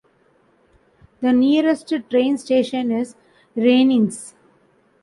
The nearest train station is Renens.